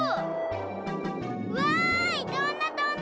わいとんだとんだ！